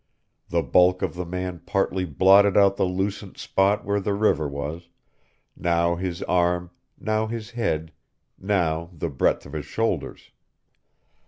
The bulk of the man partly blotted out the lucent spot where the river was now his arm, now his head, now the breadth of his shoulders.